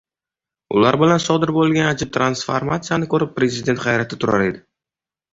ular bilan sodir bo‘lgan ajib transformatsiyani ko‘rib Prezident hayratda turar edi.